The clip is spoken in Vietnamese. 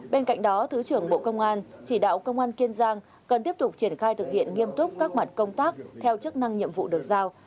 bên cạnh đó thứ trưởng bộ công an chỉ đạo công an kiên giang cần tiếp tục triển khai thực hiện nghiêm túc các mặt công tác theo chức năng nhiệm vụ được giao